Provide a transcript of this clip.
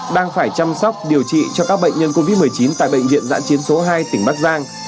đang phải chăm sóc điều trị cho các bệnh nhân covid một mươi chín tại bệnh viện giã chiến số hai tỉnh bắc giang